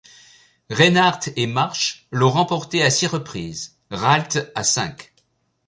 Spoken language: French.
Reynard et March l'ont remportée à six reprises, Ralt à cinq.